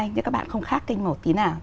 nhưng các bạn không khác kênh một tí nào